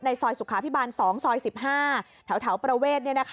ซอยสุขาพิบาล๒ซอย๑๕แถวประเวท